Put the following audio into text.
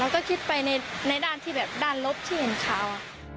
ก็คิดไปในด้านที่แบบด้านลบที่เห็นข่าว